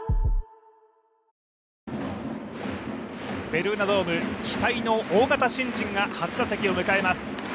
ベルーナドーム、期待の大型新人が初打席を迎えます。